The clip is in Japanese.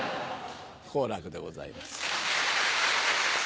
好楽でございます。